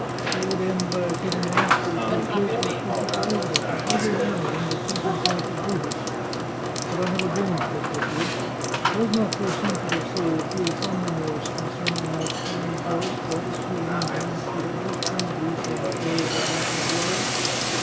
They would end by acquitting rascals whose guilt was per fectly evident, and every man of them would think himself a Brutus. But I have a bone to pick with you. Does not your sensitive soul feel some remorse concerning that fine horse, rather too lean, which you have just turned loose on the shores of the Maggiore